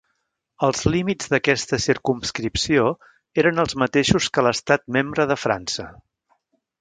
Els límits d'aquesta circumscripció eren els mateixos que l'estat membre de França.